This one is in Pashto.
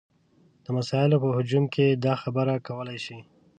د مسایلو په هجوم کې دا خبره کولی شي.